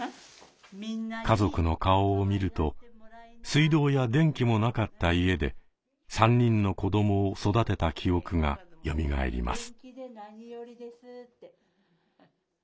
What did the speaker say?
家族の顔を見ると水道や電気もなかった家で３人の子どもを育てた記憶がよみがえります。